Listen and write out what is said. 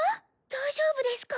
大丈夫ですか？